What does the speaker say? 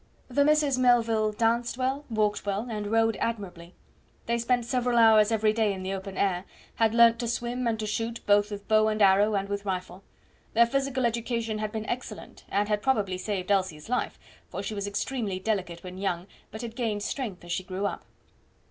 The Misses Melville danced well, walked well, and rode admirably; they spent several hours every day in the open air; had learnt to swim, and to shoot both with bow and arrow and with rifle. Their physical education had been excellent, and had probably saved Elsie's life, for she was extremely delicate when young, but had gained strength as she grew up.